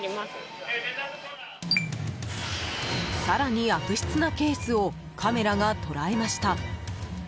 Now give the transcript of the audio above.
更に悪質なケースをカメラが捉えました。